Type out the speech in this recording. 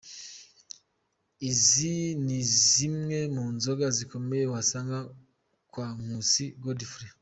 Izi ni zimwe mu nzoga zikomeye wasanga kwa Nkusi Godfrey.